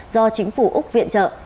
do chính phủ úc viện trợ